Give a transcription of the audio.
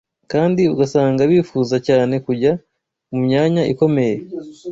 kandi ugasanga bifuza cyane kujya mu myanya ikomeye.